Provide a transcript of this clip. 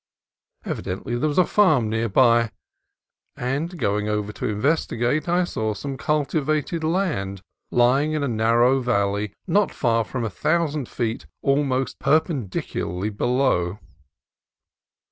Evidently there was a farm near by; and going over to investigate I saw some culti vated land lying in a narrow valley not far from a thousand feet almost perpendicularly below.